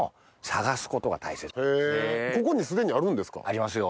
ありますよ。